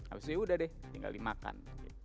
abis itu ya udah deh tinggal dimakan